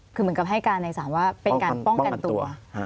คือเหมือนกับให้การในศาลว่าเป็นการป้องกันตัว